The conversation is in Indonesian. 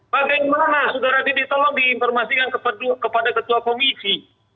bagaimana saudara didi tolong diinformasikan kepada ketua komisi